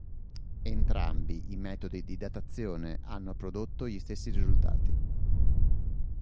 Entrambi i metodi di datazione hanno prodotto gli stessi risultati.